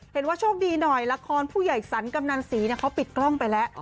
เห็นว่าโชคดีหน่อยละครผู้ใหญ่สันกำนาศีเนี่ยเขาปิดกล้องไปแล้ว